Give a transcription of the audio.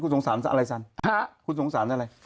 คุณสงสารอะไรฉันคุณสงสารอะไร